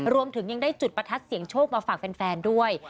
รวมถึงยังได้จุดประทัดเสียงโชคมาฝากแฟนด้วย